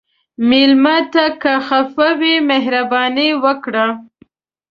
مېلمه ته که خفه وي، مهرباني وکړه.